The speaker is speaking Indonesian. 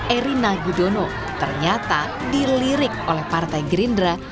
erina gudono ternyata dilirik oleh partai gerindra